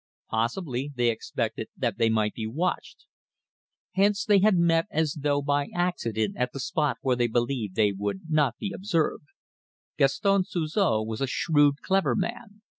Possibly they expected that they might be watched, hence they had met as though by accident at that spot where they believed they would not be observed. Gaston Suzor was a shrewd, clever man.